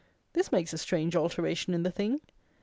This makes a strange alteration in the thing!